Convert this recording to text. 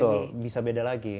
betul bisa beda lagi